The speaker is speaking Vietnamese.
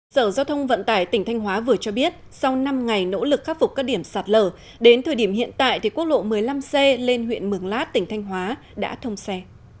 sở giao thông vận tải tỉnh thanh hóa vừa cho biết sau năm ngày nỗ lực khắc phục các điểm sạt lở đến thời điểm hiện tại thì quốc lộ một mươi năm c lên huyện mường lát tỉnh thanh hóa đã thông xe